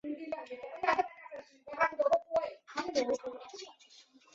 所以已经是一个参选主席的大热门。